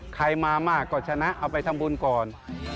ใครมามากก็ชนะเอาไปทำบุญก่อน